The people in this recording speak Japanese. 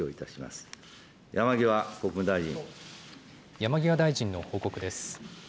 山際大臣の報告です。